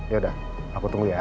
yaudah aku tunggu ya